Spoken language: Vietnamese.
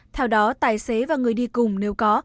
theo đó tài xế và người đi cùng nếu có